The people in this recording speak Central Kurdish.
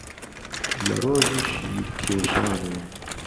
له ڕۆژی شیر کیشانێ